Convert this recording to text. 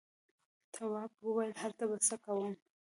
تواب وويل: هلته به څه کوم.